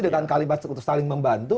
dengan kalimat saling membantu